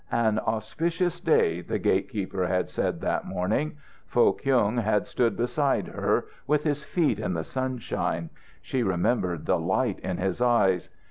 "An auspicious day," the gate keeper had said that morning. Foh Kyung had stood beside her, with his feet in the sunshine; she remembered the light in his eyes.